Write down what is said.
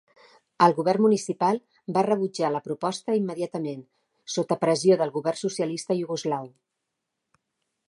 El govern municipal va rebutjar la proposta immediatament, sota pressió del govern socialista iugoslau.